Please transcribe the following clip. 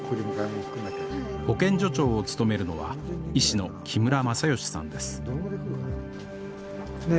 保健所長を務めるのは医師の木村雅芳さんですねえ